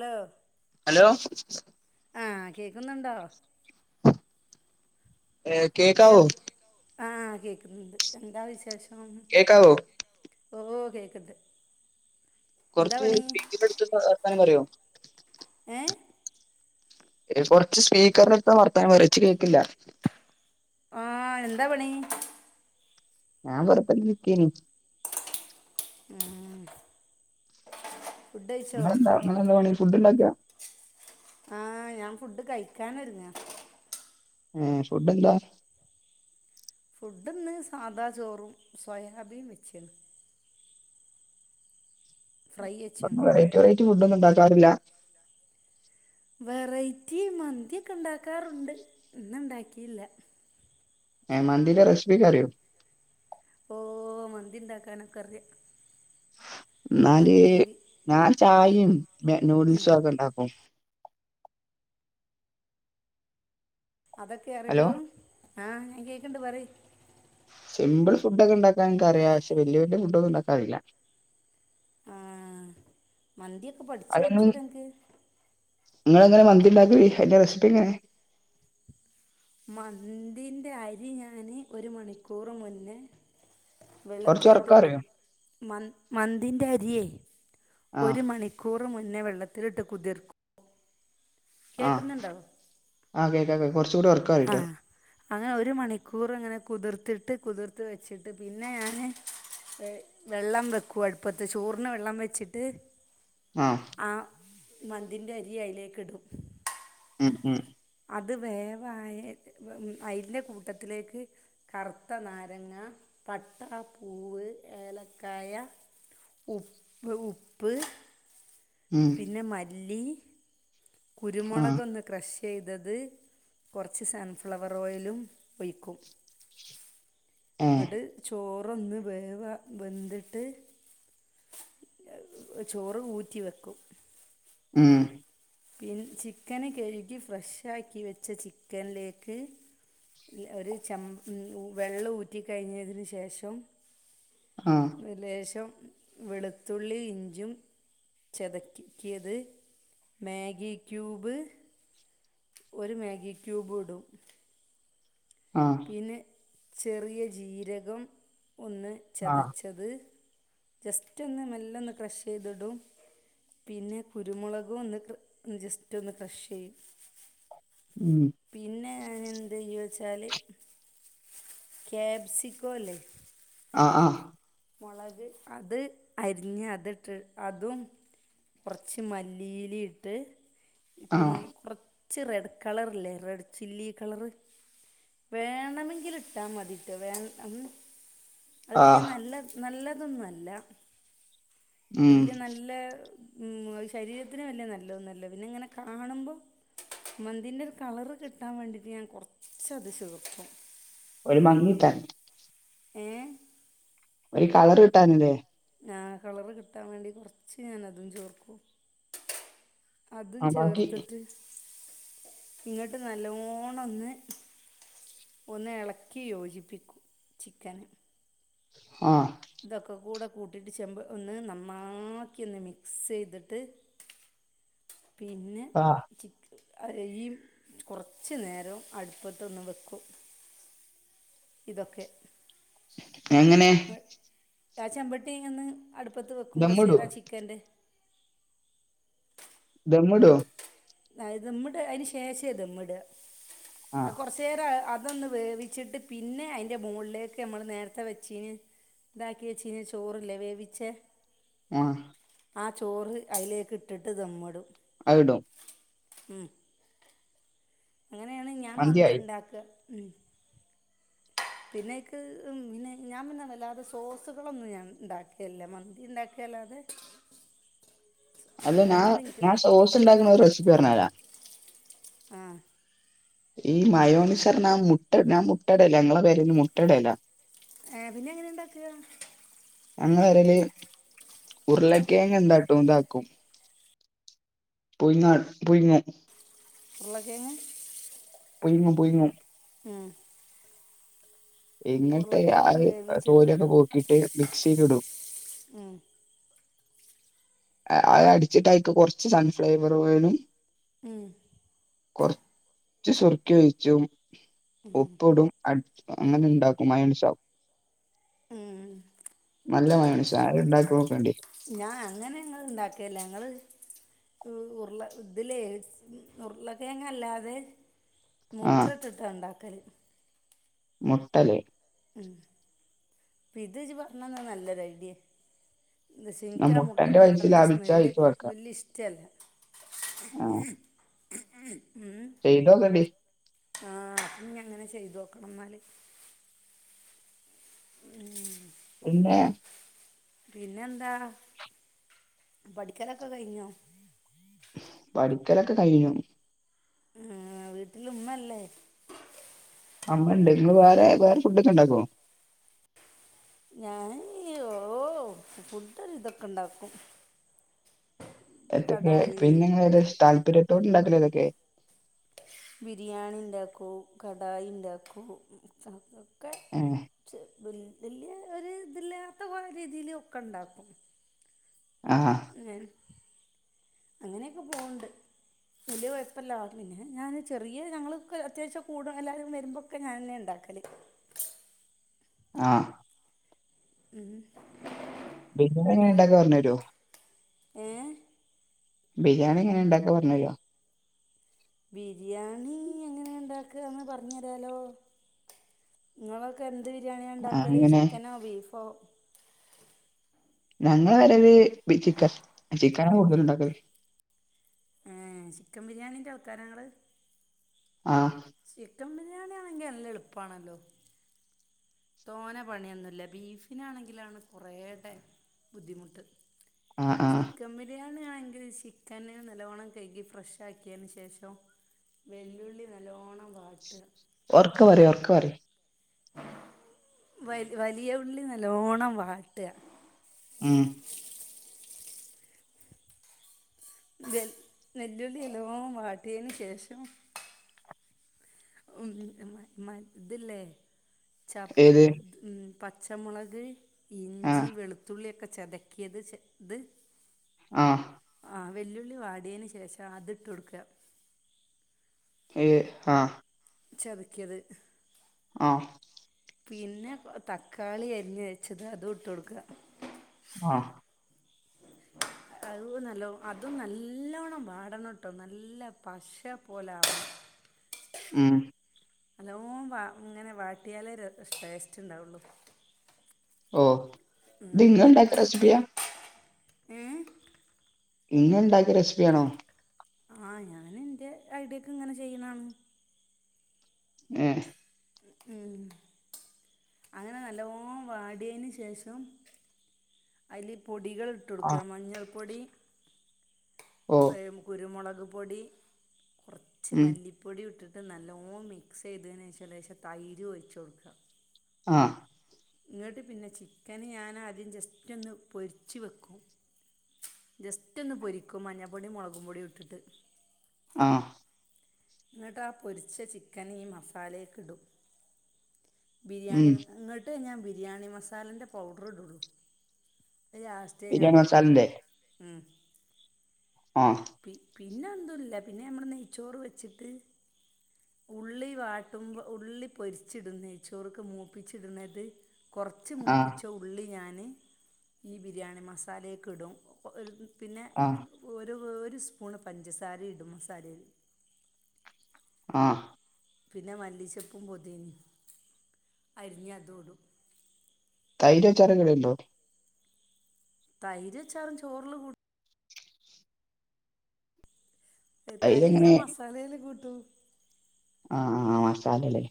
Law hello ആഹ് കേക്കുന്നുണ്ടോ ഏ കേൾക്ക് ആഹ് കേക്കുന്നുണ്ട് എന്താ വിശേഷം കേക്കാവോ ഓ കേക്ക്‌ന്ന് കുറച്ച് സ്പീക്കറിന്റടുത്ത് നിന്ന് വർത്തമാനം പറയോ ഏ കൊർച്ച് സ്പീക്കർ ഇട്ട് വർത്താനം പറ്യോ ച്ച് കേക്ക്ല്ല ആഹ് എന്താ പണി ഞാൻ വെർതെങ്ങനെക്കേനി ഉം ഫുഡ് കഴിച്ചോ ങ്ങളെന്താ ങ്ങളെന്താ പണി ഫുഡ്ഡ് ണ്ടാക്കാ ആഹ് ഞാൻ ഫുഡ് കഴിക്കാനൊര്ങ്ങാ ഏഹ് ഫുഡ്ഡെന്താ ഫുഡ്ഡ്ന്ന് സാദാ ചോറും സോയാബീൻ വെച്ച്ണ് ഫ്രൈ വെച്ച്ണ് പ്പങ്ങള് വെറൈറ്റി വെറൈറ്റി ഫുഡ്ഡൊന്നുണ്ടാക്കാറില്ല വെറൈറ്റി മന്ത്യെക്കെണ്ടാക്കാറ്ണ്ട്. ഇന്ന്ണ്ടാക്കില്ല, ഏഹ് മന്തിത്തെ റെസിപ്പി ഒക്കറിയോ ഓഹ് മന്തിണ്ടാക്കാനൊക്കറിയ ന്നാല് ഞാൻ ചായയും നൂഡിൽസും ഒക്കെ ഉണ്ടാക്കും അതൊക്കെ ഹലോ അറിയുള്ളൂ ആഹ് ഞാൻ കേക്ക്ണ്ട് പറയ് സിമ്പിൾ ഫുഡ്ഡൊ ക്കെണ്ടാക്കാൻ ഇൻക്കറ്യാ, പക്ഷെ വല്യ വല്യ ഫുഡ്ഡൊന്നുണ്ടാക്കാ അറീല ആ മന്ത്യെക്കെ പഠിച്ച് വെച്ചൂടൻക്ക് ഇങ്ങളെങ്ങന മന്തിണ്ടാക്കല് അയ്ന്റെ റെസിപ്പ്യെങ്ങനെ മന്തിന്റെ അരി ഞാന് ഒരു മണിക്കൂറ് മുന്നെ കൊറച്ച് വെള്ളത്തിലിട്ട് ഒറക്കെ കുത് പറയോ മൻ മന്തിന്റെ അര്യേ ആഹ് ഒരു മണി ക്കൂറ് മുന്നേ വെള്ളത്തിലിട്ട് കുതിർക്കു ആഹ് ആ കേക്ക കേ കൊർച്ചൂടി ഒർക്കെ പറയ്ട്ടോ ആഹ് അങ്ങനെ ഒരു മണിക്കൂറ്ങ്ങനെ കുതിർത്തിട്ട് കുതിർത്ത് വെച്ചിട്ട് പിന്നെ ഞാന് വെള്ളം വെക്കൂ അട്പ്പത്ത് ചോർന് വെള്ളം വെച്ചിട്ട് ആഹ് ആ മന്തിൻ്റെ അരി അയ്ലേക്ക്ടും ഉം ഉം അത് വേവായേ അയ്ന്റെ കൂട്ടത്തിലേക്ക് കറുത്തനാരങ്ങ പട്ട പൂവ് ഏലക്കായ ഉപ്പ് ഉപ്പ് ഉം പിന്നെ മല്ലി ആഹ് കുരുമുളകൊന്ന് ക്രെശ്ശെയ്തത് കൊർച്ച് സൺഫ്ലവറോയലും ഒയ്ക്കും [inaudible] ഏഹ് ഇങ്ങട് ചോ റൊന്ന് വേവാ വെന്തിട്ട് ചോറ് ഊറ്റി വെ ക്കും ഉം പിൻ ചിക്കന് കഴുകി ഫ്രഷാക്കി വെച്ച ചിക്കൻലേക്ക് ഒരു ചം വെള്ളം ഊറ്റിക്കഴിഞ്ഞതിന് ശേഷം ആഹ് ലേശം വെളുത്തുള്ളീം ഇഞ്ചും ചതക്കിയത് മേഗി ക്യൂബ് ഒര്മേഗി ക്യൂബു ഇടും ആഹ് പിന്നെ ചെറിയ ജീരകം ഒന്ന് ആഹ് ചതച്ച് ത് ജസ്റ്റൊന്ന് മെല്ലൊന്ന് ക്രഷ്യ്തിടും. പിന്നെ കുരുമുളകൊന്ന് ജസ്റ്ററ്റൊന്ന് ക്രഷ്യ്യും. ഉം. പിന്നെ ഞാന് എന്തെയ്യുച്ചാല്. കാബ്സിക്കോല്ലേ. ആഹ്, ആഹ് മൊളക് അത് അരിഞ്ഞ് അതിട്ട് അതും. കൊറച്ച് മല്ലിയിലെട്ട് ക്ക്ന്ന് ആഹ് കൊ കൊറച്ച് റെഡ് കളർല്ലേ റെഡ് ചില്ലി കളറ്. വേണമെങ്കില് ഇട്ടാ മതിട്ടൊ വേണ്ട. അത് വല്യ ആഹ് നല്ല നല്ലതൊന്നും അല്ല, ഉം വല്യ നല്ല. ഉം അത് ശരീരത്തിന് വല്യ നല്ല ഒന്നുല്ല പിന്നെ ഇങ്ങനെ കാണുമ്പോ. മന്തിന്റെരു കളറ് കിട്ടാൻ വേണ്ടിട്ട് ഞാൻ കൊറച്ചത് ചേർക്കും. ഒരു ഭംഗികിട്ടാന്. ഏഹ് ഒരു കളറ് കിട്ടാന്ലേ. ആഹ് കളറ് കിട്ടാം വേണ്ടി കൊറച്ച് ഞാൻ അതും ചേർക്കും. അതും ആഹ് ബാക്കി ചേർത്തിട്ട് ഇങ്ങട്ട് നല്ലോണൊന്ന്. ഒന്ന് എളക്കി യോജിപ്പിക്കും ചിക്കൻ. ആഹ്. ഇതൊക്കെ കൂടെ കൂട്ടിയിട്ട് ചെമ്പ് ഒന്ന് നന്നാക്കി ഒന്ന് മിക്സ്യ്തിട്ട്. പിന്നെ. ആഹ്. ചിക് അരിം കൊറച്ച് നേരം അടുപ്പത്തൊന്ന് വക്കും. ഇതൊക്കെ. എങ്ങനെ. ആ ചെമ്പട്ടിങ്ങ്ന്ന് അടുപ്പത്ത് വെക്കും ദമ്മിടോ കൊറച്ചേരാ ചിക്കന്റെ. ദമ്മ്ടോ. അഹ് ദമ്മ്ടാ അയിന് ശേഷേ ദമ്മ്ടാ അഹ് ആഹ് കൊറ ചേരാ അതൊന്ന് വേവിച്ചിട്ട് പിന്നെ അയിന്റെ മോളിലേക്ക് ഞമ്മള് നേരത്തെ വെച്ചീന്. ഇതാക്കി വെച്ചീന ചോറ്ല്ലെ വേവിച്ച. ആഹ്. ആ ചോറ് അയിലേക്ക് ഇട്ടിട്ട് ദമ്മ്ടും. അത്ടും. ഉം. അങ്ങനേണ് ഞാൻ മന്തിയായി മന്തിണ്ടാക്കാ ഉം. [inaudible] പിന്നയിക്ക് പിന്നെ ഞാൻ പിന്നെ വല്ലാതെ സോസുകളൊന്നും ഞാൻ ഇണ്ടാക്കലില്ല മന്തി ഇണ്ടാക്കി. എല്ലാതെ. അല്ല ഞാൻ, ഞാൻ സോസ് ഇണ്ടാക്ക്ണ ഒര് റെസിപ്പി പറഞ്ഞരാ. ആഹ്. ഈ മയോനിസർണാ മുട്ട ഞാ മുട്ടടലാ ഇങ്ങളെ പെരേല് മുട്ടടലാ. ഏഹ് പിന്നെ എങ്ങനെ ഇണ്ടാക്കാ. ഞങ്ങളെ പെരേല് ഉരുളക്കിഴങ്ങ് ഇണ്ടാ ണ്ടാക്കും പുയിങ്ങ പുഴുങ്ങി. ഉർളക്കേങ്ങ് പുഴ്ങ്ങും പുഴ്ങ്ങും ഉം ഇന്നെട്ട് ഉരുളക്കിഴങ്ങ് അത് വേവിച്ചിട്ട് തോലൊക്കെ പോക്കീട്ട് മിക്സീല് ഇടും ഉം അത് അടിച്ചിട്ട് അയ്ക്ക് കൊറച്ച് സൺഫ്ലവർ ഓയലും ഉം കൊറച്ച് സുർക്കിം ഒഴിച്ചും ഉപ്പ്ടും അട് അങ്ങനെ ഇണ്ടാക്കും മയൊണൈസാവും ഉം നല്ല മയൊണൈസാ അത് ഇണ്ടാക്കി നോക്കേണ്ടി ഞാൻ അങ്ങനെ ഞങ്ങള് ഇണ്ടാക്കലില്ല ഞങ്ങള് ഉർള ഇതിലേ ഉർളക്കേങ്ങ് അല്ലാതെ മുട്ട ആഹ് ഇട്ടിട്ടാ ഇണ്ടാക്കല് മുട്ടലേ ഉം ഇത് ഇജ്ജ് പറഞ്ഞെന്നേ നല്ലൊരു ഐഡിയേ എന്താച്ചാ ആ ഇന്ക്കാ മുട്ട പൈസ മുട്ടന്റെ ലാഭിച്ചാ സ്മെല്ല് ഇക്ക് വെക്കാം വല്യ ഇഷ് ട്ടല്ലാ ഉം ചെയ്തോക്കേണ്ടി ആഹ് അപ്പം ഇഞ്ഞ് അങ്ങനെ ചെയ്തോക്കണം ഇന്നാല് ഉം പിന്നെ പിന്നെ എന്താണ് പഠിക്കലൊക്കെ കഴിഞ്ഞോ പഠിക്കലൊക്കെ കഴിഞ്ഞു ഏഹ് വീട്ടില് ഉമ്മല്ലേ ആഹ് ഇമ്മണ്ട് ഇങ്ങള് വേറെ വേറെ ഫുഡോക്കെ ഇണ്ടാക്കോ ഞാന് ഈ ഓഹ് ഫുഡ് ഒര് വിധോക്കെ ഇണ്ടാക്കും എത്തക്കേ കടായി പിന്നെ ഇങ്ങള് ഏതാ താല്പര്യത്തോട് ഇണ്ടാക്കല് ഏതൊക്കെ ബിരിയാണി ഇണ്ടാക്കും കടായി ഇണ്ടാക്കും [unintelligible] ഒക്കെ ഏഹ് ചെ വെല് വല്ല്യ ഒരു ഇതില്ലാത്തപോലെ രീതിലൊക്കെ ഇണ്ടാക്കും ആഹ് [unintelligible] അങ്ങനെയൊക്കെ പോവ്ണ്ട് വലിയ കൊയപ്പല്ല പിന്നെ ഞാന് ചെറിയ ഞങ്ങളൊക്കെ അത്യാവശ്യം കൂടാ എല്ലാരും വര്മ്പോ ക്കെ ഞാനെന്നെ ഇണ്ടാക്കല് ആഹ് ഉംഉം ബിരിയാണി എങ്ങനെ ഇണ്ടാക്ക പറഞ്ഞെരോ ഏഹ് ബിരിയാണി എങ്ങനെ ഇണ്ടാക്കാ പറഞ്ഞെരോ ബിരിയാണി എങ്ങനെ ഇണ്ടാക്കാന്ന് പറഞ്ഞെരാലോ ഇങ്ങളൊക്കെ എന്ത് ബിരിയാണിയാ ആഹ് ഇണ്ടാക്കല് അങ്ങനെ ചിക്കനോ ബീഫോ ഞങ്ങളെ പെരേല് ബി ചിക്കൻ ചിക്കനാ കൂടുതലും ഇണ്ടാക്കല് ഏഹ് ചിക്കൻ ബിരിയാണിൻ്റെ ആള്ക്കാരാ ഇങ്ങള് ആഹ് ചിക്കൻ ബിരിയാണിയാണെങ്കി നല്ല എള്പ്പാണല്ലോ തോനെ പണിയൊന്നുല്ല ബീഫിനാണെങ്കിലാണ് കുറേ ടൈം ബുദ്ധിമുട്ട് ആഹ് ആഹ് ചിക്കൻ പി ബിരിയാണി ആണെങ്കില് ചിക്കന് നല്ലവണ്ണം കഴുകി ഫ്രഷ് ആക്കിയേന് ശേഷം വെല്ലുള്ളി നല്ലോണം വാട്ടുക. ഒർക്ക പറയ് ഒർക്ക പറയ് വല വലിയ ഉള്ളി നല്ലോണം വാട്ടുക ഉം നെ വെല്ലുള്ളി നല്ലോം വാട്ടിയതിന് ശേഷം ഉം ഇതില്ലേ ചപ് ഏത് ഉം പച്ചമുളക് ഇഞ്ചി ആഹ് വെളുത്തുള്ളിയൊക്കെ ചതക്കിയത് അത് ആഹ് ആ വെല്ലുള്ളിവാടിയേന് ശേഷം അത്ട്ടൊടുക്ക ഏഹ് ആഹ്. ച്ചതിക്കിയത് ആഹ് പിന്നെ തക്കാളി അരിഞ്ഞ് വെച്ചത് അതും ഇട്ട്ടുക്കുക. ആഹ് അത് നല്ല അതും നല്ലവണ്ണം വാടണട്ടോ നല്ല പശ പോലെ ആവണം. ഉം നല്ലോണം വ ഇങ്ങനെ വാട്ടിയാലേ ടേസ്റ്റ് ഇണ്ടാവുള്ളു. ഓഹ് ഇത്ങ്ങ ഇണ്ടാക്ക റെസിപ്പിയാ ഏഹ് നിങ്ങ ഇണ്ടാക്കിയ റെസിപ്പിയാണോ. ആഹ് ഞാന് എന്റെ ഐഡിയക്ക് ഇങ്ങനെ ചെയ്യണാണ്. ഏഹ് ഉം അങ്ങനെ നല്ലോണം വാടിയേന് ശേഷം അയ്ല് പൊടികള് ഇട്ടൊടുക്ക ആഹ് മഞ്ഞൾപ്പൊടി ഓഹ് കുരുമുളക് പൊടി കുറച്ച് ഉം മല്ലി പ്പൊടി ഇട്ടിട്ട് നല്ലോം മിക്സ് ചെയ്തേന് ശേഷം ലേശം തൈര് ഒഴിച്ച് കൊടുക്ക ആഹ് എങ്ങോട്ട് പിന്നെ ചിക്കന് ഞാൻ ആദ്യം ജസ്റ്റ് ഒന്ന് പൊരിച്ച് വെക്കും ജസ്റ്റൊന്ന് പൊരിക്കും മഞ്ഞപ്പൊടി മുളകും പൊടിം ഇട്ടിട്ട്. ആഹ് എന്നിട്ടാ പൊരിച്ച ചിക്കന് ഈ മസാലക്കെ ഇടും. ബിരിയാണി ഉം ഇങ്ങോട്ട് ഞാൻ ബിരിയാണി മസാലൻ്റെ പൗഡർ ഇടുള്ളൂ എന്നിട്ട് ലാസ്റ്റ് റ്റേ ഞാൻ ബിരിയാണി ഇടുള്ളൂ മസാലന്റെ ഉം ആഹ് പി പിന്നെ എതുല്ല പിന്നെ നമ്മടെ നെയ്ച്ചോറ് വെച്ചിട്ട് ഉള്ളി വാട്ടുമ്പോ ഉള്ളി പൊരിച്ചിടുന്നേച്ചോർക്ക് മൂപ്പിച്ചിടുന്നത് കുറച്ച് ആഹ് മൂപ്പിച്ച ഉള്ളി ഞാൻ ഈ ബിരിയാണി മസാലേക്ക് ഇടും ഒരു പിന്നെ ആഹ് ഒരു ഒരു സ്പൂണ് പഞ്ചസാര ഇടും മസാലേല് ആഹ് പിന്നെ മല്ലിച്ചെപ്പും പൊതിന അരിഞ്ഞ് അതും ഇടും. തൈര് അച്ചാറൊക്കെ ഇടണ്ടോ. തൈരും അച്ചാറും ചോറില് കൂ ഏഹ് തൈര് ഞാൻ തൈരെങ്ങനെ മസാലേല് കൂട്ടു ആഹ് ആഹ് ആഹ് മസാലേല്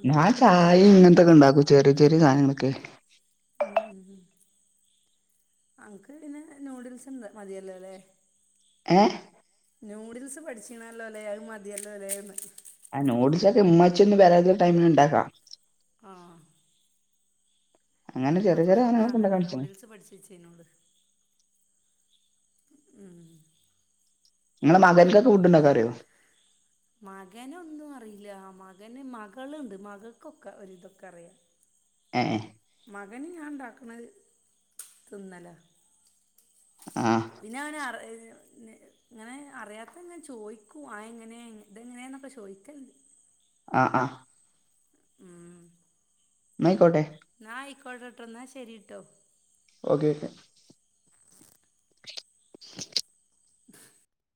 അതും ഞാൻ ഇടും തൈര് ചായിം ഇങ്ങൻത്തൊക്കെ ഇണ്ടാക്കും ചെറിയ ചെറിയ സാനങ്ങളൊക്കെ ഉം അന്ക്ക് പിന്നെ ഏഹ് നൂഡിൽസെന്തെ മതിയല്ലോല്ലേ ഏഹ് നൂഡിൽസ് പഠ്ച്ച്ണല്ലോല്ലേ അഹ് മതിയല്ലോല്ലേന്ന് ആഹ് നൂഡിൽസക്കെ ഇമ്മച്ചിയൊന്നും [unintelligible] ടൈമില് ഇണ്ടാക്കാ ആഹ് അങ്ങനെ ചെറിയെ ചെറിയെ സാനങ്ങളൊക്കെ ഇണ്ടാക്കാ സുഖാണല്ലോ പഠ്ച്ച്ണ് [unintelligible] ഉം ഇങ്ങളെ മകൻക്കൊക്കെ ഫുഡ് ഇണ്ടാക്കാ അറിയോ മകനൊന്നും അറീല്ല മകന് മകള്ണ്ട് മകൾക്കൊക്കെ ഒരിതൊക്കെ അറിയാ ഏഹ് മകന് ഞാൻ ഇണ്ടാക്ക്ണെ അഹ് തിന്നലാ ആഹ് പിന്നെ അവന് അർ ഏഹ് പിന്നെ ഏഹ് ഇങ്ങനെ അറിയാത്തെങ്ങനെ ചോയിക്കും അഹ് എങ്ങനെ ഇതെങ്ങനേന്നൊക്കെ ചോയിക്കല്ണ്ട് ആഹ് ആഹ് ഉം ഇന്നാ ആയിക്കോട്ടെ എന്നാ ആയിക്കോട്ടെട്ടൊ ഇന്നാ ശരിട്ടോ ഓക്കെ